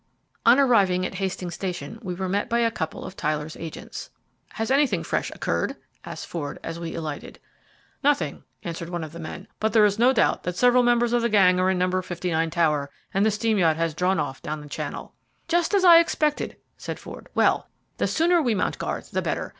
On arriving at Hastings station we were met by a couple of Tyler's agents. "Has anything fresh occurred?" asked Ford, as we alighted. "Nothing," answered one of the men, "but there is no doubt that several members of the gang are in No. 59 tower, and the steam yacht has drawn off down Channel." "Just as I expected," said Ford; "well, the sooner we mount guard the better.